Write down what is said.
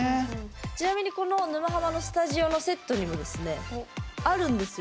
ちなみにこの「沼ハマ」のスタジオのセットにもですねあるんですよ。